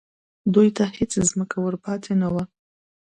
دوی ته هېڅ ځمکه ور پاتې نه وه